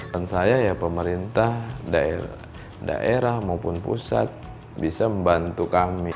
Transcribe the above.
dan saya ya pemerintah daerah maupun pusat bisa membantu kami